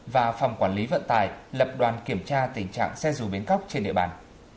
và phòng quản lý vận tải lập đoàn kiểm tra tình trạng xe dù biến cóc trên địa bàn